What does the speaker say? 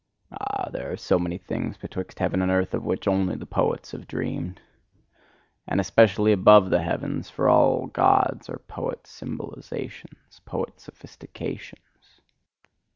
Ah, there are so many things betwixt heaven and earth of which only the poets have dreamed! And especially ABOVE the heavens: for all Gods are poet symbolisations, poet sophistications!